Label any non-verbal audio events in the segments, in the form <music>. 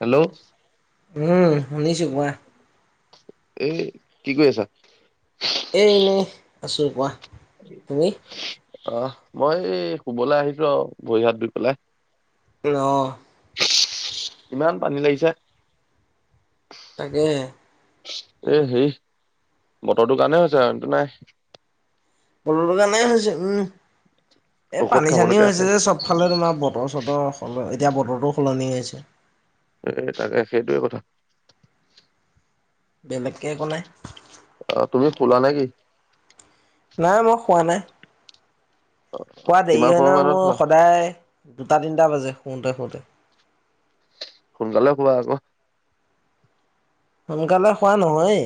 Hello উম, শুনিছো কোৱা। এ, কি কৰি আছা। এ, আছোঁ কোৱা তুমি? আহ, মই এই শুবলে আহিছো আও ভৰি হাত ধুই পেলাই। অ ইমান পানী লাগিছে। তাকেহে। এ, হেৰি বতৰটো কাৰণে হৈছে একো নাই। <unintelligible> কাৰণে উম, এ, ঔষধ পানী খাবলৈকে চানীও আছে হৈছে যে চব ফালে তোমাৰ বতৰ, চতৰ সল এতিয়া বতৰটো সলনি হৈছে। এ তাকে সেইটোৱে কথা। বেলেগকে একো নাই। অ তুমি কোলা নে কি? নাই, মই খোৱা নাই। শুৱা দেৰি কিমান হয় সময় নহয় মানত শুৱা? মোৰ সদায় দুটা-তিনিটা বাজে শুওঁতে, শুওঁতে। সোনকালে শুবা আকৌ। সোনকালে খোৱা নহয়েই,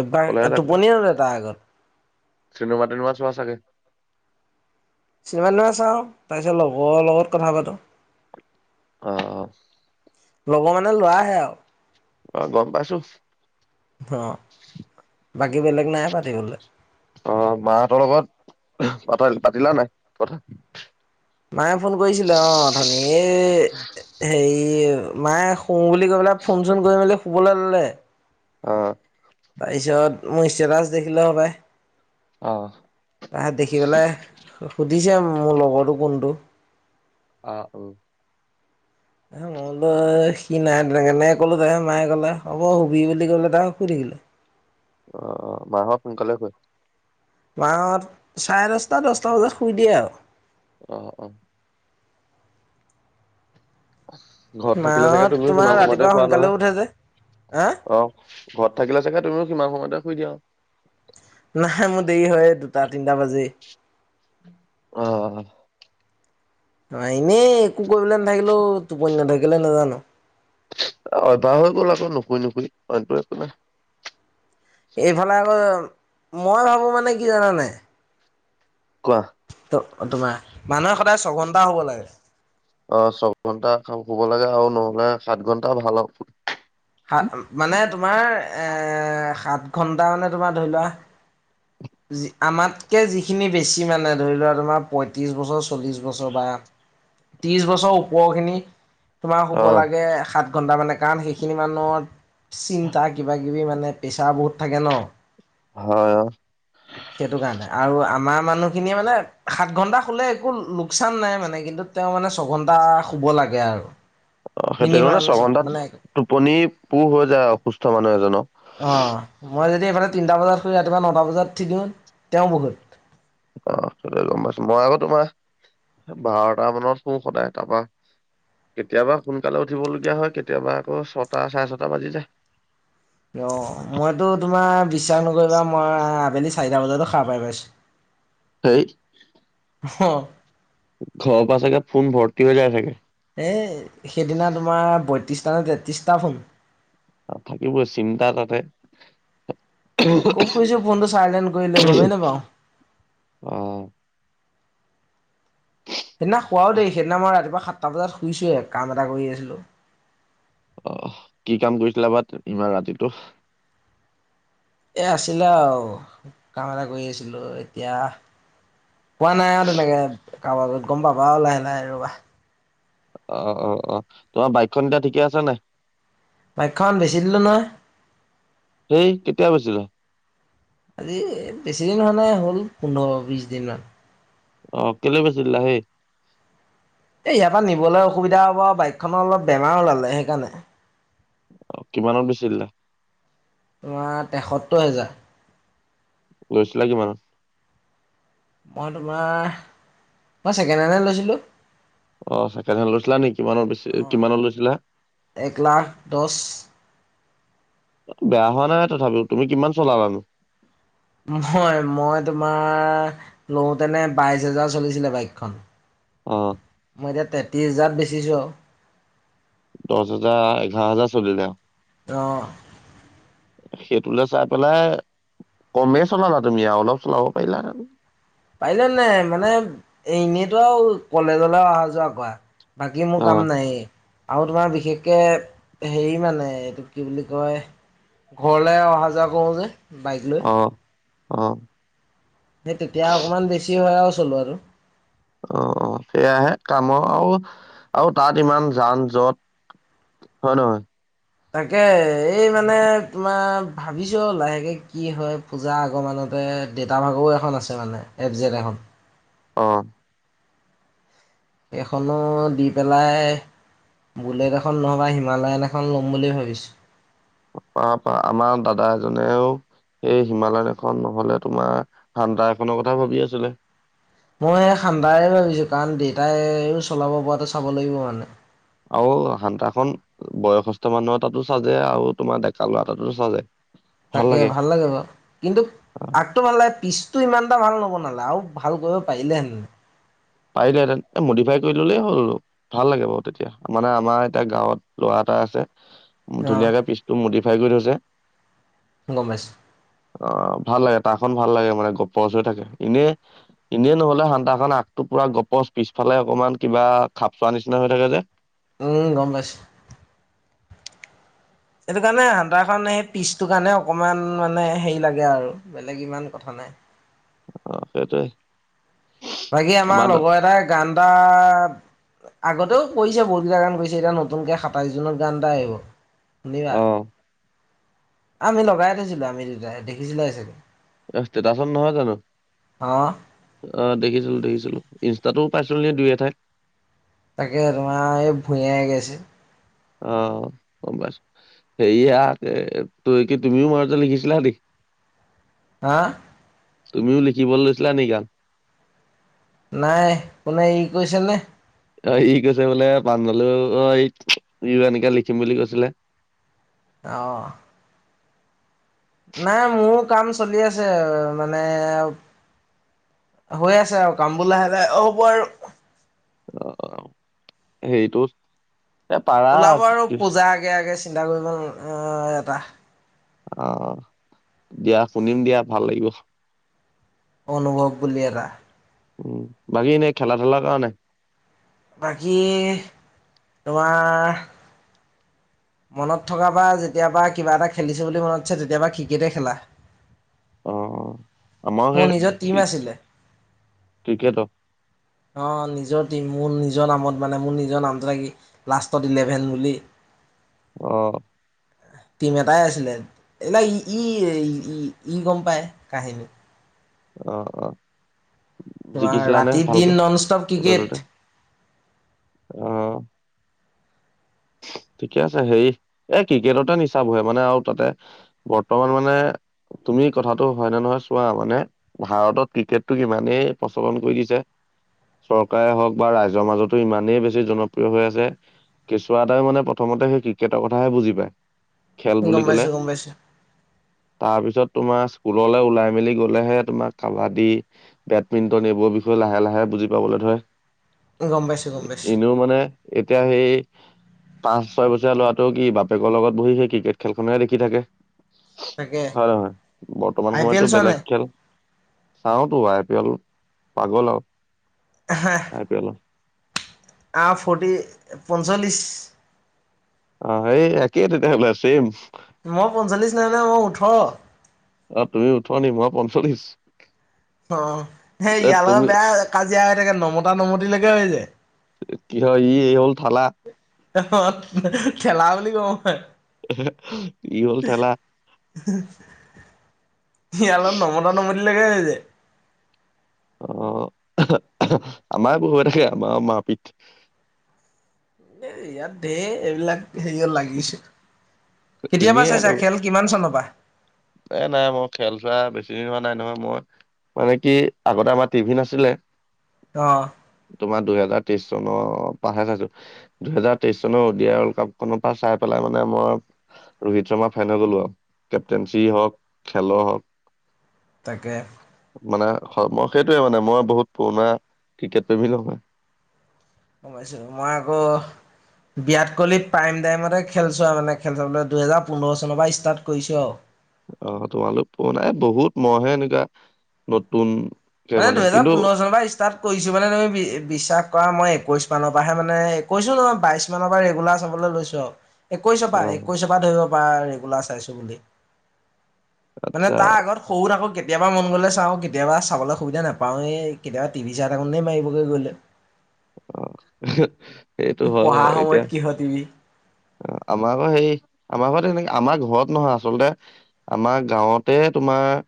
অভ্যাস টোপনি নধৰে তাৰ আগত। চিনেমা-টিনেমা ছোৱা চাগে। চিনেমা চাওঁ তাৰপিছত লগৰৰ লগত কথা পাতো। অ অ। লগৰ মানে ল'ৰাহে আও। অ গম পাইছো অ বাকী বেলেগ নাই পাতিবলে। অ মাহঁতৰ লগত পাতাল পাতিলা নাই কথা? মায়ে ফোন কৰিছিলে অ উঠনী এ হেৰিয়ে মায়ে শু বুলি কৈ পেলাই ফোন চোন কৰি মেলি শুবলে ল'লে। অ। তাইছত মোৰ ষ্টেটাছ দেখিলে হপায়। অ তা দেখি পেলাই। হু হুদ দিছে মো লগৰটো কোনটো? অ উম। এ মই বোলো সি নাই তেনেকে ক'লো তাকে মায়ে কলে, হ'ব শুবি বুলি ক'লে তাক শুই <unintelligible> অ মাঁহত সোনকালে শুৱে? মাহত চাৰে দচটা দছটা বজাত শুই দিয়ে আৰু। আহ অ। ঘৰত থাকিলে চাগে মাহঁত তুমিও তোমাৰ কিমান ৰাতিপুৱা সময়তে পোৱা সোনকালে উঠে যে হা নহয় আহ ঘৰত থাকিলে চাগে তুমিও সিমান সময়তে শুই দিিয়া নাই মোৰ দেৰি হয় দুটা তিনটা বাজি আহ অ এনেই একো কৰিবলৈ নাথাকিলেও টোপনি নাথাকিলে নাজানো। অভ্যাস হৈ গ'ল। আকৌ নুশুই নুশুই অইনটো একো নাই। এইফালে আকৌ মই ভাবো মানে কি জানানে কাহ অ তোমাৰ মানুহ অ ছয় ঘন্টা শুব লাগে আৰু ন সাত ঘণ্টা ভাল হ'ব। সাত মানে তোমাৰ এ সাত ঘন্টা মানে তোমাৰ ধৰি লোৱা। আমাতকে যিখিনি বেছি মানে ধৰি লোৱা তোমাৰ পঁয়ত্ৰিশ বছৰ চল্লিশ বছৰ বা। ত্ৰিশ বছৰ ওপৰ খিনি তোমাৰ অ শুব লাগে সাত ঘণ্টা মানে কাৰণ সেইখিনি মানত চিন্তা কিবাকিবি মানে প্ৰেছাৰ বহুত থাকে ন। হয়। সেইটো কাৰণে আৰু আমাৰ মানুহখিনিয়ে মানে সাত ঘন্টা খুলে একো লোকচান নাই মানে কিন্তু। তেওঁ মানে ছঘন্টা শুব লাগে আৰু অ সেইটো মানে মিনিমাম ছঘন্টাত মানে টোপনি পুৰ হৈ যায় অসুস্থ মানুহ এজনক অ মই যদি এইফালে তিনটা বজাত শুই, ৰাতিপুৱা নটা বজাত উঠি দিওঁ তেওঁ বহুত। অ গম পাইছো মই আকৌ তোমাৰ। বাৰটা মানত শো সদায় তাৰপা। কেতিয়াবা সোনকালে উঠিব লগগীয়া হয়। কেতিয়াবা আকৌ ছটা চাৰে ছটা বাজি যায়। অ মইতো তোমাৰ বিশ্বাস নকৰিবা মই আবেলি। চাৰিটা বজাতটো খোৱা পাই পাইছো। সেই অ ঘৰৰ পৰা চাগে ফোন ভৰ্তি হৈ যায় ছাগে। এই সেইদিনা তোমাৰ বয়ত্ৰিশটা নে তেত্ৰিশটা ফোন। অ থাকিবই চিন্তা তাতে। খুব খুইছো ফোনটো চাইলেণ্ট কৰিলে। গমেই নেপাওঁ। অ সেইদিনা খুৱও দেই সেইদিনা মই ৰাতিপুৱা সাতটা বজাত শুইছোে কাম এটা কৰি আছিলো অ কি কাম কৰিছিলা বাৰ ইমান ৰাতিটো এ আছিলে আৰু কাম এটা কৰি আছিলো এতিয়া। পোৱা নাই আৰু তেনেকে কাৰোবত গ'ম পাবা আৰু লাহে লাহে ৰবা। অ, অ, অ, তোমাৰ বাইকখন এতিয়া ঠিকে আছে নে। বাইখন বেচি দিলো নহয়। সেই কেতিয়া গৈছিলা। আজি বেছিদিন হোৱা নাই হ'ল পোন্ধৰ বিশ দিন মমান অ কেলে বেছিলা হেই এ ইয়াৰ পৰা নিবলৈ অসুবিধা হ'ব, আৰু বাইকখননৰ অলপ বেমাৰ ওলালে। সেইকাৰণে অ কিমানত বেছি জিলা। তোমাৰ তেসোত্তৰ হেজাৰ। গৈছিলে কিমানত মই তোমাৰ মই ছেকেণ্ড হেণ্ডহে লৈছিলোঁ অ ছেকেণ্ড হেণ্ড লৈছিলা নেকি কিমানৰ বেছি অ' কিমানৰ লৈছিলা এক লাখ দহ বেয়া হোৱা নাই তথাপিও তুমি কিমান চলানো। মই মই তোমাৰ লওঁতেনে বাইশ হোজাৰ চলিছিলে বাইকখন। অ। মই এতিয়া তেত্ৰিছ হোজাৰত বেছিছোঁ আও। দহ হাজাৰ এঘাৰ হাজাৰ চলিলে অ। অঅঁ সেইটোলৈ চাই পেলাই, কমেই চলালা তুমি আৰু অলপ চলাব পাৰিলা। পাৰিলে নাই মানে এনেইতো আৰু কলেজলৈ অহা যোৱা কৰা। বাকী মোৰ কাম অ', নাই,, আৰু তোমাৰ বিশেষকৈ হেৰি মানে এইটো কি বুলি কয় ঘৰলে অহা যোৱা কৰোঁ যে, বাইক লৈ। অঁ সেই তেতিয়া অকণমান বেছি হয় আও চলোৱাতো। অহ' সেয়াহে কামৰ আৰু, আৰু তাত ইমান যান যত। হয়, নহয়। তাকে এই মানে তোমাৰ ভাবিছো আৰু লাহেকে কি হয় পূজা আগমানতে দেতা ভাগৰও এখন আছে মানে এপজেট এখন হয় <unintelligible> অহ'। সেইখন দি পেলাই বুলেট এখন নহ'বা হিমালয়ন এখন ল'ম বুলি ভাবিছোঁ। পা-পা আমাৰ দাদা এজনেও এই হিমালয়াখন এখন নহ'লে, তোমাৰ হান্তা এখনৰ কথা ভাবি আছিলে। মই খান্দাৰে ভাবিছো কাৰণ দেউতাইও চলাব পৰাটো চাব লাগিব মানে। আৰু হান্তাখন বয়সস্থ মানুহৰ তাতো চাজে, আৰু তোমাৰ ডেকা ল'ৰা তাতো চাজে। তাকে ভাল লাগে বাৰু, কিন্তু আহ, আগটো ভাল লাগে পিছ। তোৰ ইমান এটা ভাল নব নালা আৰু ভাল কৰিব পাৰিলে হেন। পাৰিলেহেঁতেন এ মডিফাই কৰি ললেই হ'ল। ভাল লাগে বাৰু তেতিয়া, মানে আমাৰ এতিয়া গাঁৱত ল'ৰা এটা আছে। ধুনীয়াকে অ' পিচটো মডিফাই কৰি থৈছে। গম পাইছ অঁ ভাল লাগে তা খন ভাল লাগে মানে গপৰচ হৈ থাকে এনে এনেই নহলে সান্তাখন আ টো পুৰা গপচ পিছফালে অকনমান কিবা খাপ খোৱা নিচিনা হৈ থাকে যে উম, গম পাইছোঁ। সেইটো কাৰণে, হান্তাখন সেই পিচটো কাৰণে অকমান মানে‌ হেৰি লাগে। আৰু বেলেগ ইমান কথা নাই। <unintelligible> অঁ সেইটোৱেই। বাকী আমাৰ লগৰ এটাই গান এটা আগতেও কৰিছে বহুতকেইটা গান কৰিছে এতিয়া নতুনকে সাতাইছ জুত গান এটা আহিব। শুনিবা অ আমি লগাই থৈছিলো আমি দোতাই দেখিছিলো চাগে,, <unintelligible> স্তেটাচো নহয় জানো। অ অ' দেখিছো। তো দেখিছিলো, ইনষ্টাটো পাইছিলোগে দুই এঠাইত। তাকে তোমাৰ এই ভূঞাই গাইছে। অহ' গ'ম পাইছোঁ। সেয়া তো কি তুমিও মাজতে লিখিছিলা নেকি? হা তুমিও লিখিবলৈ লৈছিলা নে গান নাই, কোনে ই কৈছেনে? অ' ই কৈছে বোলে পাঞ্জলেও অ' ই এনেকে লিখিম বুলি কৈছিলে। অহ। নাই মোৰো কাম চলি আছে, মানে। হৈ আছে আৰু কামবোৰ লাহে লাহে অ' হ'ব আৰু আহ সেইটো ওলাব আৰু পূজা আগে আগে চিন্তা কৰিব এটা আহ দিয়া শুনিম দিয়া ভাল লাগিব। অনুভৱ বুলি এটা উম, বাকী এনেই খেলা ধূলাৰ কৰা নাই বাকী তোমাৰ মনত থকা পাৰ যেতিয়াবা কিবা এটা খেলিছোঁ বুলি মনত আছে তেতিয়াবা ক্ৰিকেটেই খেলা অহ' আমাৰ মোৰ সেই নিজৰ টিম ই আছিলে ক্ৰিকেটৰ অ' নিজৰ টিম মোৰ নিজৰ নামত মানে মোৰ নিজৰ নামটো লাগি লাষ্টত ইলেভেন বুলি <inaudible> অহ' এহ টিম এটাই আছিলে এইবিলাক ই ই ই গ'ম পায় কাহিনীৰ অ' অ' তোমাৰ জিকিছিলানে ৰাতি দিন ভালকে নন ষ্টপ য'তে ক্ৰিকেট ততেই অহ' ঠিকে আছে হেৰি এ ক্ৰিকেটতে নিচাহ বহে মানে আৰু তাতে বৰ্তমান মানে তুমি কথাটো হয় নে নহয় চোৱা মানে ভাৰতত ক্ৰিকেটটো ইমানেই প্ৰচলন কৰি দিছে। চৰকাৰে হওঁক বা ৰাইজৰ মাজতো ইমানেই বেছি জনপ্ৰিয় হৈ আছে, কেচুৱা এটাই মানে প্ৰথমতে সেই ক্ৰিকেটৰ কথাহে বুজি পায়। খেল গম পাইছো গম পাইছো। তাৰ পিছত তোমাৰ স্কুললৈ ওলাই মেলি গলেহে তোমাৰ কাবাডী বেডমিন্টন এইবোৰ বিষয়ে লাহে লাহে বুজি পাবলৈ ধৰে, গম পাইছো গম পাইছো এনেও মানে এতিয়া সেই পাঁচ ছয় বছৰ লৰাটোও কি বাপেকৰ লগত বহি সেই ক্ৰিকেট খেলখননেহে দেখি থাকে। তাকে হয়হ বৰ্তমান আই পি এল সময়ো চোৱা বেলেগ নাই খেল চাওতো আই পি এল পাগল আৰু আই পি এলৰ আ ফৰ্টি পঞ্চল্লিছ অঁ এই একেই তেতিয়াহ'লে আছে মই পঞ্চল্লিছ নাই ন মই ওঠৰ চল্লিশ অঁ সেই ইয়ালৰ বেয়া কাজিয়া হৈ থাকে নমতা নমতি লৈকে হৈ যায়। কি হয় এই হল থালা অঁ খেলা বুলি কওঁ মই কি হল থেলা স অলপ নমতা নমতাকৈয়ে হৈ যায়। আহ আমাৰ বহুত থাকে আমাৰ ম পিত এ ইয়াত দেৰ এইবিলাক হেৰিত লাগিছে। কেতিয়াবা এনেই আৰু চাইছা খেল কিমান চনৰ পৰা এ নাই মই খেল চোৱা বেছি দিন হোৱা নাই নহয় মই মানে কি আগতে আমাৰ টিভি নাছিলে অ তোমাৰ দুহেজাৰ তেইশ চনৰ পৰাহে চাইছো দুহেজাৰ তেইশ চনৰ উডিয়া ৱৰ্ল্ড কাপ খনৰ পৰা চাই পেলাই মানে মই ৰোহিত শৰ্মা ফাইনে গলো আৰু কেপটেনঞ্চি হওক খেলৰ হওঁক তাকে,, মানে মই সেইটোয়ে মানে মই বহুত পুৰণা ক্ৰিকেট প্ৰেমী নহয় গম পাইছোঁ, মই আক বিৰাট কোহলি প্ৰাইম টাইমতে খেলছোৱা মানে খেল, দুহেজাৰ পোন্ধৰ চনৰ পৰা ষ্টাৰ্ট কৰিছো আৰু। আহ তোমালোক পুৰণা, বহুত মইহে এনেকুৱা নতুন মানে দুহেজাৰ পোন্ধৰ চনৰ পৰা ষ্টাৰ্ট কৰিছো মানে তুমি বিশ্বাস কৰা মই একৈশ' মানৰ পৰাহে মানে কৈছো নহয় বাইশ মানৰ পৰা ৰেগুলাৰ চাবলৈ লৈছো আৰু একৈশৰ পৰা আহ একৈশৰ পৰা ধৰিব পাৰা ৰেগুলাৰ চাইছো বুলি। মানে আচ্ছা তাৰ আগত সৰুত আকৌ কেতিয়াবা মন গ'লে চাওঁ কেতিয়াবা চাবলৈ সুবিধা নাপাওঁৱে কেতিয়াবা টিভি চাই থাকোতেই মাৰিবগৈ গ'লে,, আহ, সেইটো হয় পঢ়া বাৰু এতিয়া সময়ত কিহৰ টিভি আমাৰ ঘৰ সেই আমাৰ ঘৰত সেনেকৈ আমাৰ ঘৰত নহয় আচলতে আমাৰ গাঁৱতে তুম আমাৰ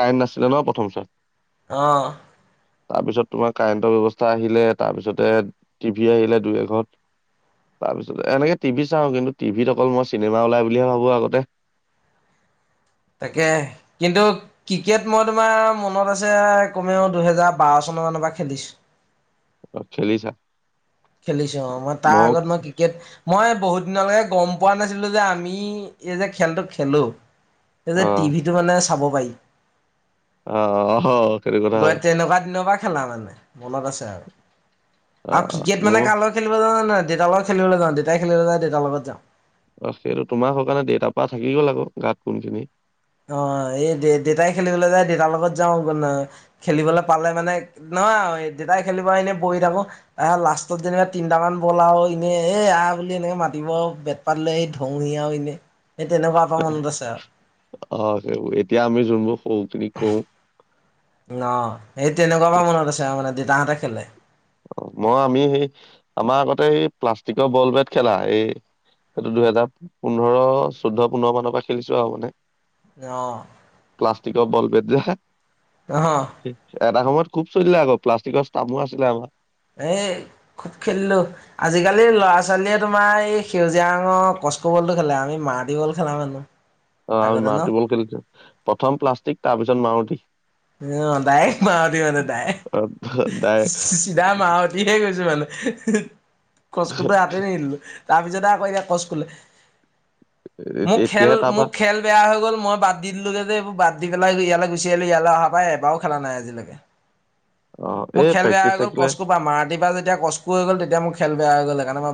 কাৰেণ্ট নাছিলে ন প্ৰথম ছোৱাত অঁ তাৰপিছত তোমাৰ কাৰেণ্টৰ ব্যৱস্থা আহিলে তাৰপিছতে টিভি আহিলে দুই এঘত তাৰপিছত এনেকে টিভি চাওঁ কিন্তু টিভিত অকল মই চিনেমা ওলাই বুলিহে ভাবো আগতে। <unintelligible> তাকে কিন্তু ক্ৰিকেট মই তোমাৰ মনত আছে কমেও দুহেজাৰ বাৰ চন মান পৰা খেলিছোঁ অ, খেলিছা খেলিছো অঁ মই তাৰ মোক আগত মই ক্ৰিকেট মই বহুত দিনলৈকে গম পোৱা নাছিলোঁ যে আমি এই যে খেলটো খেলোঁ, এ যে অ টিভিটো মানে চাব পাৰি। অঁ অঁ সটো কথা গৈ হয়। তেনেকুৱা দিনৰ পৰা খেলা মানে মনত আছে আৰ। অ আ ক্ৰিকেট মানে মোৰ কা লগত খেলিব জান নে নাই? দেতাৰ লগত খেলিবলৈ যাওঁ, দেতাই খেলিবলৈ যাই দেতাৰ লগত যাওঁ। অ সেইটো তোমা স কাণে দেতা পৰা থাকি গ'ল আকৌ গাত কোনখিনি। অ এই দেতাই খেলিবলৈ যায় দেতাৰ লগত যাওঁ খেলিবলৈ পালে মানে <unintelligible> নহ আও দেতাই খেলিব আহিলে বহি থাকো আহ লাষ্টত যেনিবা তিনটামান বল আৰু এনেই এ আ এনেকে মাতিব আও বেত পাত লৈ আহি ধও আও এনেই সেই তেনেকুৱা এটা মনত আছে আ অ সেইবোৰ এতিয়া আমি যোনবোৰ সৰুখিনি কও। ন সেই তেনেকুৱা পা মনত আছে মানে দেতাহঁতে খেলে অ মই আমি সেই আমাৰ আগতে এই প্লাষ্টিকৰ বল বেট খেলা এ সেইটো দুহেজাৰ পোন্ধৰ চৈধ্য পোন্ধৰ মানৰ পৰা খেলিছো আও মানে। অ প্লাষ্টষ্টিকৰ বল বেট যে, অহ এটা সময়ত খুব চলিলে আগপ প্লাষ্টিকৰ ষ্টামো আছিলে আমা এ খুব খেলিলো আজিকালি ল'ৰা-ছোৱালীয়ে তোমাৰ এই সেউজীয়া ৰঙৰ ক কস্কবলটো খেলে আমি মাৰুটি বল খেলা মানুহ। অ আমি আগতে ন মাৰুতি বল খেলিছো প্ৰথম প্লাষ্টিক তাৰ পিছত মাৰুতি। অ দাৰেক মাৰুতি মানে তাই চিধা মাৰুতিহে গৈছ মানে কস্কটো হাতে নিদিলো। তাৰপিছতে আকৌ এতিয়া কস্কলে। মোক ডাইৰেক্ট খেল এতিয়াহে তাৰপা মোক খেল বেয়া হৈ গ'ল মই বাদ দি দিলোগে যে এইবোৰ বাদ দি পেলাই ইয়ালৈ গুচি আহলো ইয়ালৈ অহা পাই এবাৰও খেলা নাই আজিলৈকে। অ মোৰ এই খেল বেয়া প্ৰেক্টিচ হৈ গ'ল থাকিলে কস্কপা পা মাৰুতি পা যেতিয়া কস্কু হৈ গ'ল তেতিয়া মোৰ খেল বেয়া হৈ গ'ল সেইকাৰণে মই বা